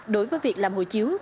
đối với việc làm hồ chiếu